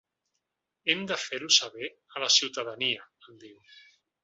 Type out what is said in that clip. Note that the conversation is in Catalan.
Hem de fer-ho saber a la ciutadania, em diu.